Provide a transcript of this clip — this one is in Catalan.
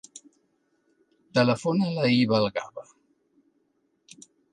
Telefona a la Hiba Algaba.